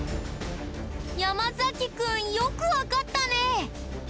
山崎くんよくわかったね！